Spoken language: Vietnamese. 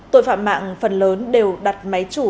tội phạm mạng phần lớn đều đặt máy chủ